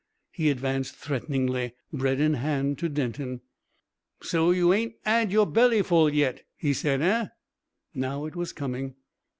He advanced threateningly, bread in hand, to Denton. "So you ain't 'ad your bellyful yet," he said. "Eh?" Now it was coming.